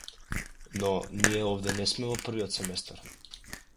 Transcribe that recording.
Но ние овде не сме во првиот семестар.